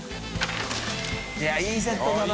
いいいセットだな。